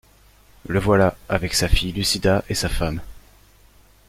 Le voilà, avec sa fille Lucida et sa femme.